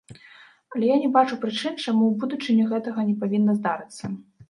Але я не бачу прычын, чаму ў будучыні гэтага не павінна здарыцца.